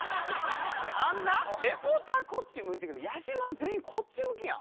あんなリポーターこっち向いてるけどやじ馬は全員こっち向きやん。